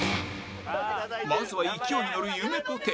まずは勢いにのるゆめぽて